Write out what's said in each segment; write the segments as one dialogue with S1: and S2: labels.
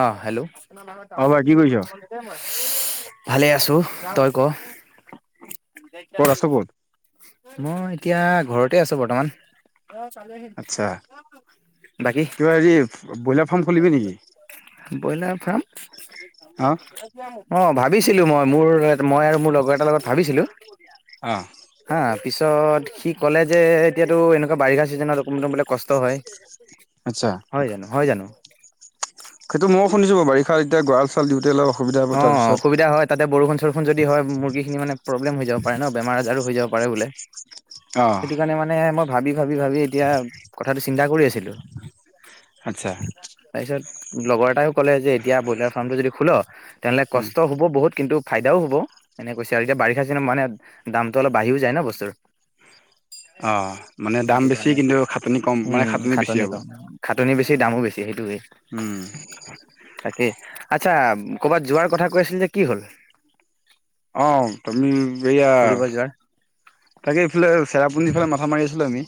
S1: অ hello.
S2: অ ভাই কি কৰিছ
S1: ভালে আছো। তই ক?
S2: ক'ত আছ ক'ত
S1: মই এতিয়া ঘৰতে আছো। বৰ্তমান,
S2: আচ্ছা
S1: বাকী?
S2: কিবা হেৰি ব্ৰইলাৰ ফাৰ্ম খুলিবি নেকি
S1: ব্ৰইলাৰ ফাৰ্ম?
S2: হা
S1: অ ভাত ভাবিছিলো মই, মোৰ মই আৰু মোৰ লগৰ এটাৰ লগত ভাবিছিলো।
S2: অ।
S1: হা পিছত সি ক'লে যে এতিয়াতো এনেকুৱা বাৰিষা চিজনত অকণ বোলে কষ্ট হয়।
S2: আটচা।
S1: হয় জানো হয় জানো
S2: সেইটো ময়ো শুনিছো বাৰু বাৰিষাত এতিয়া গঁৰাল-চৰাল দিওঁতে অলপ। অসুবিধা হ'ব
S1: অ'
S2: তাৰপিছত
S1: অসুবিধা হয়, তাতে বৰষুণ-চৰষুণ যদি হয় মুৰ্গীখিনি মানে প্ৰব্লেম হৈ যাব পাৰে ন? বেমাৰ-আজাৰো হৈ যাব। বাৰে বোলে,
S2: অ
S1: সেইটো কাৰণে মানে মই ভাবি ভাবি ভাবি এতিয়া কথাটো চিন্তা কৰি আছিলোঁ।
S2: আটচ্ছা।
S1: লগৰ এটাইও কলে যে এতিয়া ব্ৰইলাৰ ফাৰ্মটো যদি খোল। তেনেহ'লে কষ্ট হ'ব বহুত। কিন্তু, ফাইদাও হ'ব এনেকে কৈছে আৰু এতিয়া বাৰিষা চিজনত মানে দামটো অলপ বাঢ়িও যায় ন বস্তুৰ।
S2: অ মানে দাম
S1: সেইটো
S2: বেছি
S1: কাৰণে
S2: কিন্তু খাটনি কম মানে
S1: উম,
S2: বেছি
S1: খাটনি
S2: হ'ব
S1: কম, খাটনি বেছি। দামো বেছি সেইটোৱেই।
S2: উম।
S1: আচ্ছা, কৰ'বাত যোৱাৰ কথা কৈ আছিলি যে, কি হ'ল?
S2: অ', তুমি এইয়া,
S1: ফুৰিব যোৱাৰ
S2: তাকে এইফালে চেৰা পুঞ্জী‌ ফালে মাথা মাৰি আছিলোঁ আমি।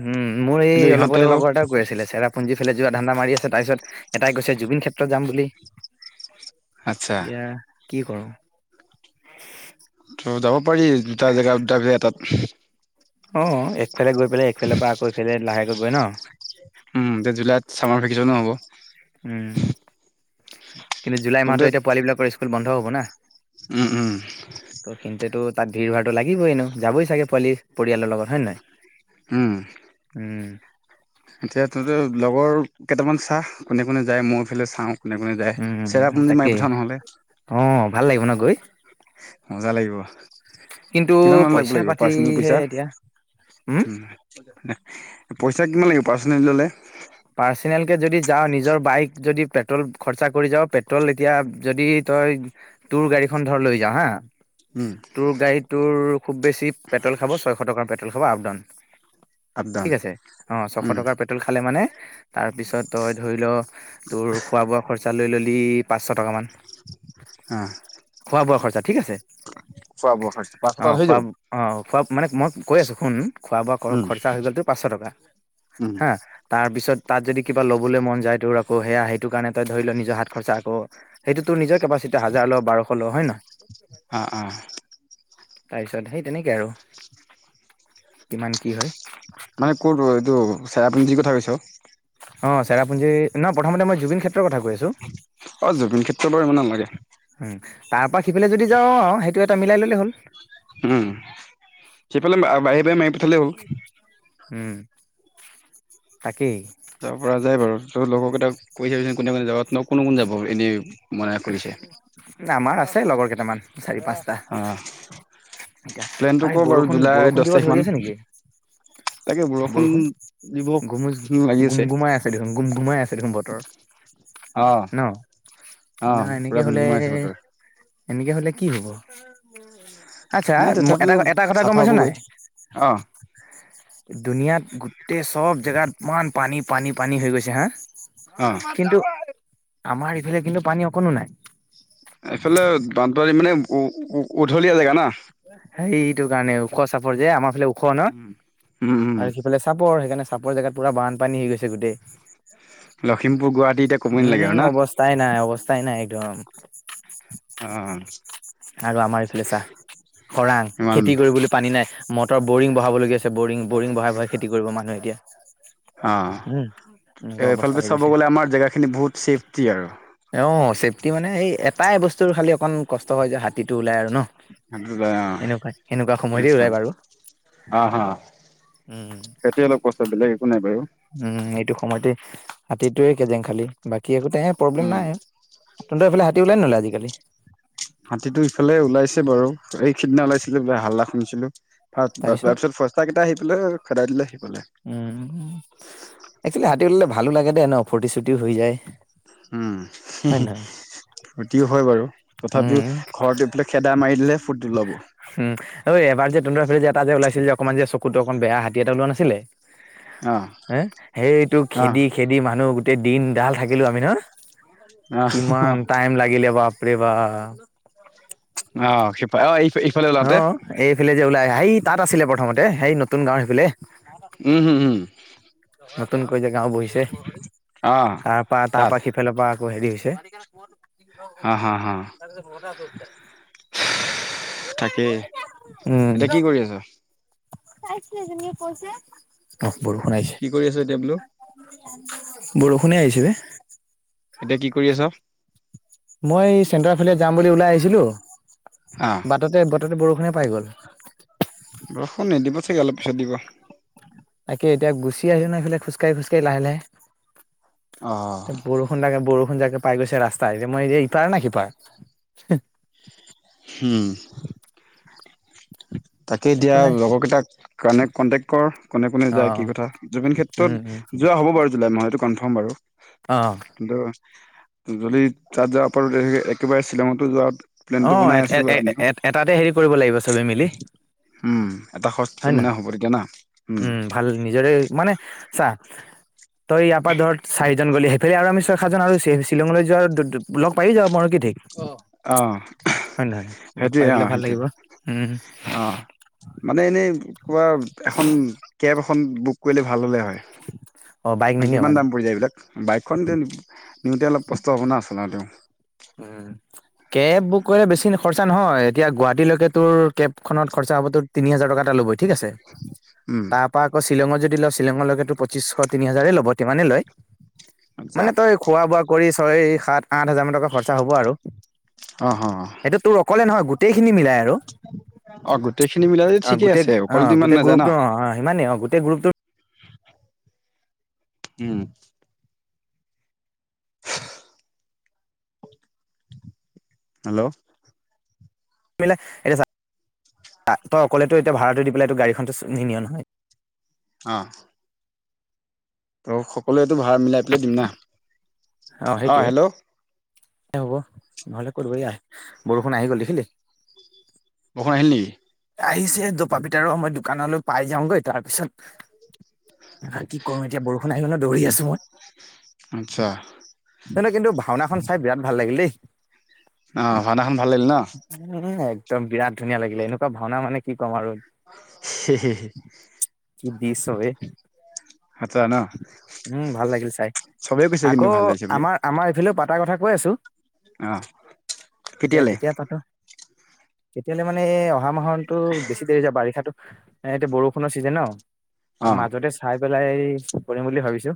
S1: উম, মোৰ
S2: কিন্তু
S1: এই অলপতে
S2: ইহঁতেও
S1: লগৰ এটায়ো কৈ আছিলে চেৰাপুঞ্জী ফালে যোৱা ধান্দা মাৰি আছে, তাৰপিছত এটাই কৈছে জুবিন ক্ষেত্ৰত যাম বুলি।
S2: আচ্ছা।
S1: এতিয়া কি কৰোঁ?
S2: ত' যাব পাৰি, দুটা জেগা, দুটা [unintelligible] এটাত।
S1: অ', একফালে গৈ পেলাই, একফালৰ পৰা আকৌ এইফালে লাহেকৈ গৈ ন?
S2: উম এতিয়া জুলাইত ছামাৰ ভেকেচনো হ'ব।
S1: উম, কিন্তু জুলাই মাহতো এতিয়া পোৱালি বিলাকৰ ইস্কুল বন্ধ হ'ব না।
S2: উম, উম।
S1: ত' সিহঁতেতো তাত ভিৰভাৰটো লাগিবই এনেয়ো, যাবই চাগে পোৱালি, পৰিয়ালৰ লগত হয়নে নাই?
S2: উম।
S1: উম।
S2: এতিয়া ত' লগৰ কেইটামান চা, কোনে, কোনে যায় মই এইফালে চাওঁ। কোনে কোনে যায়।
S1: উম,
S2: চেৰাপুঞ্জী মাৰি
S1: তাকেই।
S2: পঠাও নহ'লে
S1: অ', ভাল লাগিব ন! গৈ?
S2: মজা লাগিব।
S1: কিন্তু
S2: কিমান মান লাগিব,
S1: পইচা
S2: লাগিব পাৰ্চনেল
S1: পাতিহে
S2: পইচা?
S1: এতিয়া উম,
S2: পইচা কিমান লাগিব? পাৰ্চনেলি ল'লে?
S1: পাৰ্চনেলকে যদি যাওঁ নিজৰ বাইক যদি পেট্ৰল খৰচা কৰি যাওঁ পেট্ৰল এতিয়া যদি তই তোৰ গাড়ীখন ধৰ লৈ যাও হা।
S2: উম
S1: তোৰ গাড়ীত তোৰ খুব বেছি পেট্ৰল খাব ছয়শ টকাৰ পেট্ৰল খাব আপ ডাউন।
S2: আপ ডাউন
S1: ঠিক আছে অ' ছশ
S2: উম
S1: টকাৰ পেট্ৰল খালে মানে তাৰপিছত তই ধৰি ল তোৰ খোৱা বোৱা খৰচা লৈ ল'লি পাঁচশ টকা মান।
S2: অ'।
S1: খোৱা- বোৱা খৰচা ঠিক আছে।
S2: খোৱা বোৱা খৰচ পাঁচশ টকাত
S1: অ'
S2: হৈ
S1: খোৱা
S2: যাব
S1: অ' খোৱা মানে মই কৈ আছো শুন খোৱা বোৱা
S2: উম
S1: খৰচা হৈ গ'ল তোৰ পাঁচশ কা
S2: উম।
S1: হা। তাৰ পিছত তাত যদি কিবা ল'বলৈ মন যায় তোৰ আকৌ সেয়া সেইটো কাৰণে তই ধৰি ল নিজৰ হাত খৰচা আকৌ সেইটো তোৰ নিজৰ কেপাচিট হাজাৰ ল বাৰশ ল হয় নহয়।
S2: অ', অ',
S1: তাৰপিছত সেই তেনেকে আৰু কিমান কি হয়।
S2: মানে কোনটো এইটো ছেৰাপুঞ্জি কথা কৈছ।
S1: অ' চেৰাপুঞ্জি ন প্ৰথমতেই জুবিন খেত
S2: অ' জুবিন ক্ষেত্ৰত বাৰু ইমান নালাগে।
S1: উম, তাৰ পৰা সিপিনে যদি যাওঁ আৰু সেইটো এটা মিলাই ল'লে হ'ল।
S2: উম। সেইফালে [unintelligible] মাৰি পঠালে হ'ল।
S1: উম। তাকেই
S2: তাৰ পৰা যায় বাৰু তই লগৰকেইটাক কৈ থবিচোন কোনে কোনে যাব ন কোন-কোন যাব এনেই। মনা কৰিছে।
S1: আমাৰ আছে লগৰ কেইটামান চাৰি পাঁচটা।
S2: অ',
S1: এতিয়া
S2: প্লেনটো
S1: আৰু
S2: ক'
S1: এই
S2: বাৰু
S1: বৰষুণ-
S2: জুলাই
S1: বৰষুণ
S2: দহ
S1: দিবা
S2: তাৰিখ মান
S1: ধৰি আছে নেকি।
S2: তাকে বৰষুণ দিব
S1: বৰষুণ গুম- গুম গুমাই আছে দেখোন গুম গুমাই আছে দেখোন বতৰ।
S2: অ'-
S1: ন
S2: অ'
S1: না এনেকে
S2: পুৰা গুম
S1: হলে
S2: গুমাই আছে বতৰ।
S1: এনেকে হ'লে কি হ'ব। আচ্ছা
S2: নাই তথাপিও
S1: এটা-এটা কথা গম
S2: চাফা
S1: পাইছ
S2: হ'বগৈ।
S1: নাই।
S2: অ',
S1: দুুনিয়াত গোটেই চব জেগাত ইমান পানী- পানী- পানী হৈ গৈছে হা।
S2: অ'।
S1: কিন্তু আমাৰ ইফালে কিন্তু পানী অকণো নাই।
S2: এইফালে বানপানী মানে উ- উ উধলীয়া জেগা না।
S1: সেইটো কাৰণে ওখ চাপৰ যে আমাৰ ফালে ওখ ন
S2: উম, উম, উম,
S1: আৰু সিফালে চাপৰ সেইকাৰণে চাপৰ জেগাত পুৰা বানপানী হৈ গৈছে গোটেই।
S2: লখিমপুৰ গুৱাহাটী এতিয়া ক'বই নালাগে আৰু
S1: উম,
S2: না
S1: অৱস্থাই নাই- অৱস্থাই নাই একদম
S2: অ'।
S1: আৰু আমাৰ এইফালে চা খৰাং,
S2: ইমান
S1: খেতি কৰিবলৈ পানী নাই মটৰ বৰিং বহাবলগীয়া ছ বৰিং-বৰিং বহাই- বহাই খেতি কৰিব মানুহে এতিয়া। উম এনেকুৱা
S2: অ'
S1: অৱস্থা
S2: এইফালে
S1: হৈ
S2: চাব
S1: গৈছে
S2: গ'লে আমাৰ জেগাখিনি বহুত ছেফটি আৰু।
S1: অ' চেফটি মানে এই এটাই বস্তুৰ খালি অকমান কষ্ট হয় যে হাতীটো ওলাই আৰু। ন,
S2: অ',
S1: এনেকুৱা-এনেকুৱা সময়তে ওলাই বাৰু।
S2: অ'-অ' সেইটোৱে অলপ [unintelligible]
S1: উম, এইটো সময়তে হাতীটোয়ে কেজেং খালি বাকী একোতে প্ৰব্লেম
S2: উম।
S1: নাই, তহতৰ এইফালে হাতী ওলাই নুলাই আজিকালি।
S2: হাতীটো ইফালে ওলাইছে বাৰু, এই সিদিনা ওলাইছিলে বোলে হাল্লা শুনিছিলো। তাত তাৰ
S1: তাৰপিছত
S2: পিছত ফস্তা কেইটা আহি পেলাই খেদাই দিলে। সেইফালে
S1: উম, একচোৱেলি হাতী উলালে ভালো লাগে দে ন ফূৰ্তি চূৰ্তি হৈ যায়।
S2: উম।
S1: হয় নহয়?
S2: ফুৰ্তিও হয় বাৰু
S1: উম,
S2: তথাপিও ঘৰত এফালে খেদা মাৰি দিলেহে ফূৰ্তি ওলাব।
S1: উম, ঐ এবাৰ যে তহতৰ ফালে যে এটা যে ওলাইছিল যে অকমান যে চ কুতো অকণ বেয়া হাতী এটা ওলোৱা নাছিলে
S2: অ
S1: হে, সেইটো
S2: অ
S1: খেদি- খেদি মানুহ দিনদাল থাকিলো আমি নহয়,
S2: অ
S1: কিমান টাইম লাগিলে বা পৰে বা।
S2: অ' [unintelligible] ওলাওতে
S1: অ' এইফালে যে ওলাই সেই তাত আছিলে প্ৰথমতে সেই নতুন গাওৰ সেইফালে।
S2: উম'-হম-উম।
S1: নতুনকৈ যে গাঁও বহিছে,
S2: অ
S1: তাৰ পৰা, তাৰ
S2: তাত
S1: পৰা সিফালৰ পৰা হেৰি হৈছে
S2: হা হা হা
S1: [unintelligible]
S2: থাকেই, এতিয়া কি কৰি আছা।
S1: চাই যেনেকে কৈছে।
S2: কি কৰি আছ, এতিয়া বোলো।
S1: বৰষুণে আহিছে দে।
S2: এতিয়া কি কৰি আছা।
S1: মই চেণ্টাৰৰ ফালে যাম বুলি ওলাই আহিছিলো,
S2: আহ
S1: বাটতে বাটতে বৰষুণে পাই গ'ল।
S2: বৰষুণ নিদিব চাগে অলপ পিছত দিব।
S1: তাকে এতিয়া গুচি আহি নাই এইফালে খোজকাঢ়ি, খোজকাঢি লাহে- লাহে
S2: অ
S1: এয়া বৰষুণ থাকে বৰষুণ। বৰষুণ যাকে পাই গৈছে ৰাস্তা, যে মই যে ইপাৰ নে সিপাৰ
S2: হম। তাকেই এতিয়া
S1: একো নাই
S2: লগৰকেইটাক কানেক্ট কণ্টেক্ট কৰ। কোনে কোনে
S1: অ
S2: যায় কি কথা, জুবিন ক্ষেত্ৰত
S1: উম উম
S2: যোৱা হ'ব বাৰু জুলাই মই, সেইটো কনফাৰ্ম বাৰু
S1: অহ।
S2: কিন্তু যদি তাত যাব পাৰো তে একেবাৰে শ্বিলঙতো যোৱা প্লেনটো
S1: অ'
S2: বনাই আছো আৰু আমিও
S1: এ-এ এটাতে হেৰি কৰিব লাগিব চবেই মিলি
S2: উম এটা খৰচ
S1: হয়,
S2: মানে
S1: নহয়
S2: হ'ব তেতিয়া না
S1: উম' ভাল নিজৰে মানে চা তই ইয়াৰ পৰা ধৰ চাৰিজন গ'লি, সেইফালে আৰু আমি চ [unintelligible] জান আৰু শ্বিলঙলৈ যোৱা লগ পায়েই যাব পাৰো কি ঠিক।
S2: অ
S1: হয়, নহয় লগ
S2: সেইটোৱে
S1: পাই
S2: অ
S1: গলে ভাল লাগিব
S2: সেইটোৱে
S1: উম'।
S2: অ' মানে এনেই কবা এখন কেব এখন বুক কৰিলে ভাল হ'লে হয়।
S1: অ' বাইক নিনিয়
S2: কিমান
S1: মানে
S2: দাম পৰি যায় এইবিলাক বাইকখন নিওতে অলপ কষ্ট হ'ব ন চলাওতে
S1: কেব বুক কৰিলে বেছি খৰচা নহয়, এতিয়া গুৱাহাটীলৈকে তোৰ কেব খনত খৰচা হ'বতো তিনি হাজাৰ টকা এটা ল'বই, ঠিক আছে
S2: উম
S1: তাৰ পৰা আকৌ শ্বিলঙত যদি ল শ্বিলঙলৈকে তো পঁচিশ, তিনি হাজাৰ ল'ব, তিমানে লয়
S2: আচ্ছা
S1: মানে তই খোৱা-বোৱা কৰি ছয়, সাত, আঠ হাজাৰ মান টকা খৰচা হ'ব আৰু
S2: অ অ
S1: এইটো তোৰ অকলে নহয় গোট খিনি মিলাই আৰু
S2: অ গোটেইখিনি মিলাই
S1: অ'
S2: ঠিকে
S1: গোটেই
S2: আছে অকলতো
S1: অ'
S2: ইমান
S1: গোটেই
S2: নাযায় না
S1: গ্ৰুপটো অ'-অ' সিমানেই অ' গোটেই গ্ৰুপটোত
S2: উম। [unintelligible] হেল্ল'।
S1: মিল এতিয়া চা তাত তই অকলেতো এতিয়া ভাড়াটো দি পেলাই তো গাড়ীখনতো নি নিয় নহয়।
S2: অ'। ত' সকলোৱেটো ভাড়া মিলাই পেলাই দিম না অ' হেল্ল'।
S1: হ'ব নহ'লে ক'ত লয় আ, বৰষুণ আহি গ'ল দেখিলি।
S2: বৰষুণ আহিল নেকি?
S1: আহিছে পাপিটাৰ মই দোকানলৈ পাই যাওগৈ তাৰপিছত কি কৰো এতিয়া বৰষুণ আহি গ'ল ন দৌৰি আছো মই
S2: আচ্ছা
S1: এনে কিন্তু ভাওনাখন চাই বিৰাট ভাল লাগিল দেই।
S2: অ' ভাওনাখন ভাল লাগিল ন'।
S1: উম একদম বিৰাট ধুনীয়া লাগিলে, এনেুকোৱা ভাওনা মানে কি ক'ম আৰু
S2: হে-হে।
S1: কি দৃশ্য ই
S2: আচ্ছা ন
S1: উম' ভাল লাগিল চাই
S2: চবেই কৈছে কিন্তু
S1: আকৌ
S2: ভাল লাগিছে
S1: আমাৰ আমাৰ এইফালেও পাত। পাতাৰ কথা কৈ আছো।
S2: অহ, কেতিয়ালে?
S1: তেতিয়াহ'লে মানে অহা মাহতো বেছি দেৰি যাব বাৰিষাটো এ এতিয়া বৰষুণৰ চিজেন
S2: অ
S1: ন' মাজতে চাই পেলাই এই কৰিম বুলি ভাবিছো।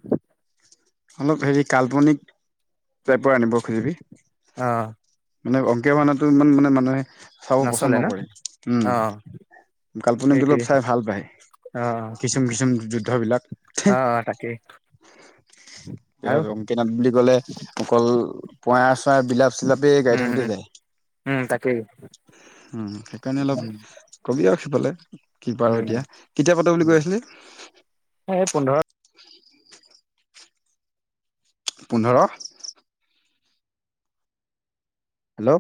S2: অলপ হেৰি কাল্পনিক টাইপৰ আনিব খুজিবি।
S1: অ'।
S2: মানে অংকীয়া মানটো ইমান মানে মানুহে চাব পছন্দ
S1: নচলে ন
S2: নকৰে, উম।
S1: অ
S2: কাল্পনিকটো অলপ
S1: সেইটোৱে
S2: চাই ভাল পায়।
S1: অ
S2: কিছুম-কিছুম যুদ্ধবিলাক।
S1: অ অ অ তাকেই আৰু
S2: ৰংকী নাথ বুলি ক'লে অকল পয়াৰ চৰাই বিলাপ চিলাপ
S1: উম, উম, উম, তাকে।
S2: উম, সেইকাৰণে অলপ ক'বি আৰু সিফালে। কি পাওঁ এতিয়া,
S1: উম
S2: কেতিয়া পাতে বুলি কৈ আছিলি?
S1: এই পোন্ধৰ
S2: পোন্ধৰ। হেল্লো।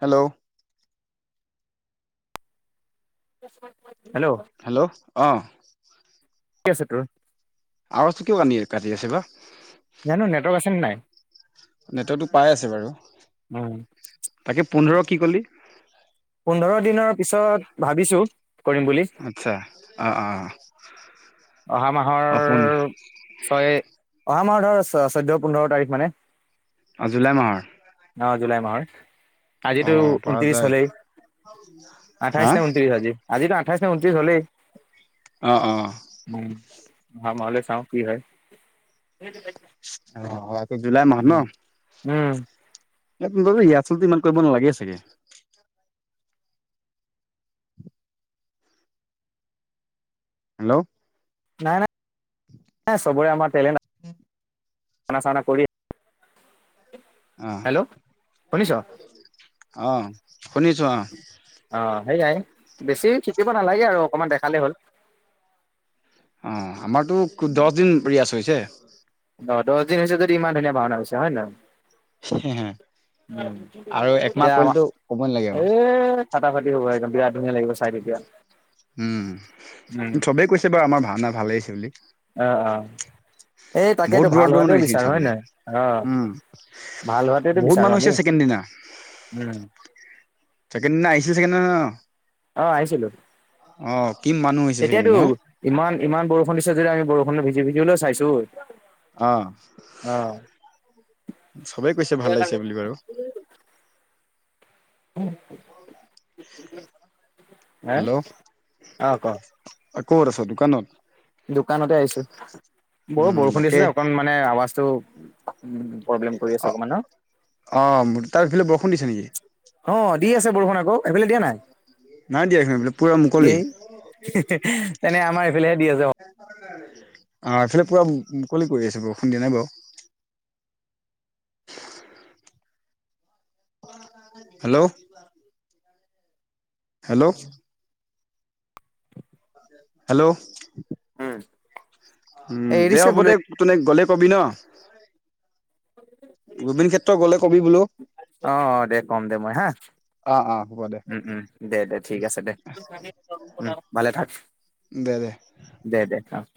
S2: হেল্লো। '
S1: শুনি আছো‌ কোৱা।
S2: হেল্লো অহ।
S1: কি আছে তোৰ।
S2: আৱাজটো কিয় কান্দি কাটি আছে বা।
S1: জানো নেটৱৰ্ক আছে নে নাই।
S2: নেটৱৰ্কটো পাই আছে বাৰু
S1: উম
S2: তাকে পোন্ধৰ কি কলি।
S1: পোন্ধৰ দিনৰ পিছত ভাবিছো। কৰিম বুলি
S2: আচ্ছা অহ অহ।
S1: অহা মাহৰ ছয়। অহা মাহৰ ধৰ চৈ চৈধ্য পোন্ধৰ তাৰিখ মানে।
S2: অহ জুলাই মাহৰ।
S1: অ জুলাই মাহৰ
S2: অ
S1: আজিতো
S2: পৰা
S1: ঊনত্ৰিছ
S2: যায়
S1: হ'লেই
S2: হা
S1: আঠাইছ নে ঊনত্ৰিছ আজি। আজি তো আঠাইছ নে ঊনএিছ হলেই
S2: অহ অহ।
S1: উম অহা মাহলে চাওঁ কি হয়।
S2: অহ হয়তো জুলাই মাহত ন।
S1: উম উম।
S2: ইয়াত কি [unintelligible] ইয়াত আচলতে ইমান কৰিব নালাগে চাগে হেল্লো। '
S1: নাই নাই চবৰে আমাৰ টেলেণ্ট।
S2: উম।
S1: খানা‌ চানা কৰি।
S2: অহ
S1: হেল্ল' শুনিছ
S2: অহ শুনিছো অহ।
S1: অহ সেয়াই বেছি থাকিব নালাগে আৰু অকণমান দেখালেই হ'ল।
S2: অহ আমাৰতো দচ দিন পিয়াছ হৈছে।
S1: অহ দহ দিন হৈছে যদি ইমান ধুনীয়া ভাওনা হৈছে হয় নহয়।
S2: [unintelligible]
S1: উম
S2: আৰু একমাহ
S1: এতিয়া আমাৰ
S2: কৰিলেতো ক'ব নালাগে আৰু
S1: এই ফাটাফাটি হ'ব একদম। বিৰাট ধুনীয়া লাগিব চাই তেতিয়া।
S2: উম চবেই কৈছে বাৰু আমাৰ ভাওনা ভালে হৈছে বুলি।
S1: অহ অহ এই
S2: বহুত
S1: তাকেতো
S2: দূৰৰ
S1: ভাল
S2: দূৰৰ মানুহ
S1: হোৱাটোৱে
S2: আহিছে কিন্তু
S1: বিচাৰোঁ হয়
S2: চাবলৈ
S1: নহয়
S2: উম
S1: অহ। ভাল হোৱাটোৱে টো
S2: বহুত
S1: বিচাৰো
S2: মানুহ
S1: আমি
S2: হৈছে ছেকেণ্ড দিনা
S1: উম।
S2: ছেকেণ্ড দিনা আহিছিলোঁ চাগে ন।
S1: অহ আহিছিলোঁ
S2: কি মানুহ হৈছে ছেকেণ্ড
S1: তেতিয়াতো
S2: দিনা
S1: ইমান ইমান বৰষুণ দিছে যদি আমি বৰষুণ। [unintelligible] চাইছোঁ।
S2: অ'। চবেই কৈছে ভাল লাগিছে বুলি বাৰু।
S1: হে
S2: হেল্ল'!
S1: অ ক
S2: ক'ত আছ? দোকানত?
S1: দোকানতে আহিছোঁ। বৰ
S2: উম
S1: বৰষুণ
S2: তাকে
S1: দিছিলে অকমান মানে আৱাজটো প্ৰব্লেম কৰি
S2: অ
S1: আছে অকমান ন'।
S2: অ', তাত এইফালে বৰষুণ দিছে নেকি?
S1: অ', দি আছে বৰষুণ আকৌ। সেইফালে দিয়া নাই?
S2: নাই দিয়া এইফালে পুৰা মুকলি
S1: এই তেনে আ
S2: অ', এইফালে পুৰা মুকলি কৰি আছে, বৰষুণ দিয়া নাই বাৰু। হেল্ল'! হেল্ল'! হেল্ল'!
S1: উম।
S2: উম, দে, হ'ব দে, তুনে গ'লে কবি ন? গোবিন
S1: [unintelligible]
S2: ক্ষেত্ৰ গ'লে কবি বোলো
S1: অ', অ', দে কম দে, মই হা।
S2: অ অ হ'ব দে
S1: উম, উম দে, দে ঠিক আছে দে, উম, ভালে থাক।
S2: দে দে
S1: দে, দে, অ'।